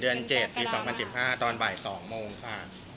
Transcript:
๑๔เดือน๗ปี๒๐๑๕ตอนบ่าย๒โมงค่ะ